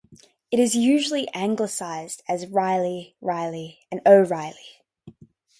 It is usually anglicised as Reilly, Riley and O'Reilly.